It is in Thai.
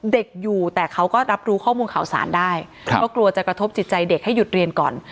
เด็กอยู่แต่เขาก็รับรู้ข้อมูลข่าวสารได้ก็กลัวจะกระทบจิตใจเด็กให้หยุดเรียนก่อน